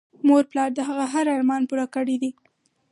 مور پلار د هغه هر ارمان پوره کړی دی